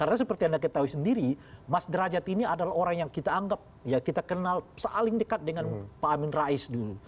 karena seperti anda ketahui sendiri mas nerajat ini adalah orang yang kita anggap ya kita kenal saling dekat dengan pak amin rais dulu